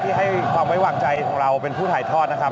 ให้ความไว้วางใจของเราเป็นผู้ถ่ายทอดนะครับ